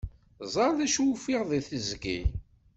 Ẓer d acu ufiɣ deg teẓgi.